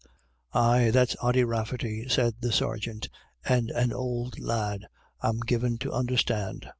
" Ay, that's Ody Rafferty ," said the sergeant, " and an ould lad, I'm given to understand."